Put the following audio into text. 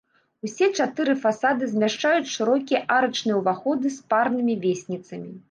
Усе чатыры фасады змяшчаюць шырокія арачныя ўваходы з парнымі весніцамі.